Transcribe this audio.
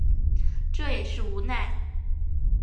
这也是无奈